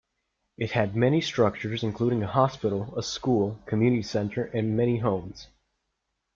It had many structures, including a hospital, a school, community center, and many homes.